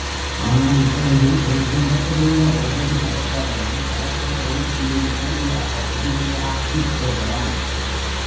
ஆனால் இப்பொழுது ஒரு குடும்பத்திலுள்ள ஒவ்வொரு சகோதரனும் தனக்கென ஒருத்தியை மனைவியாக உரிமையாக்கிக் கொள்கிறான்.